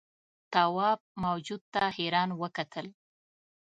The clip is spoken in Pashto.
تواب موجود ته حیران وکتل.